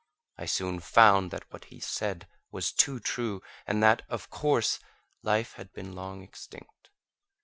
I soon found that what he said was too true, and that, of course, life had been long extinct.